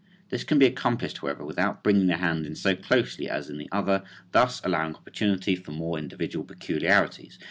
This can be accomplished, however, without bringing the hand in so closely as in the other, thus allowing opportunity for more individual peculiarities.